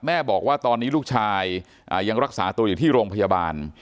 บอกว่าตอนนี้ลูกชายยังรักษาตัวอยู่ที่โรงพยาบาล